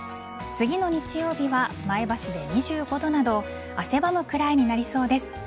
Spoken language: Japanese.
次の日曜日は前橋で２５度など汗ばむくらいになりそうです。